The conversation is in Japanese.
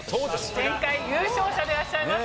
前回優勝者でいらっしゃいます。